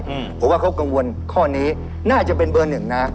เพราะว่าเขากังวลข้อนี้น่าจะเป็นเบอร์๑นะ